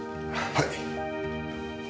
はい。